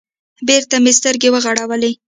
بېرته مې سترگې وغړولې.